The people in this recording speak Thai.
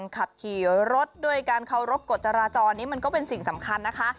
ขับขี่รถด้วยการเคารพกฎจราจรนี้มันก็เป็นสิ่งสำคัญนะคะ